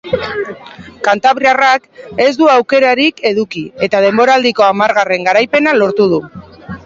Kantabriarrak ez du aurkaririk eduki eta denboraldiko hamargarren garaipena lortu du.